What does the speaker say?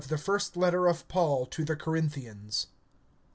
THE FIRST LETTER OF PAUL TO THE CORINTHIANS.